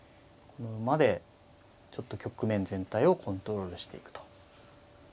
この馬でちょっと局面全体をコントロールしていくと。